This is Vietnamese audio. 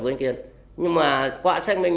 với anh kiên nhưng mà có ai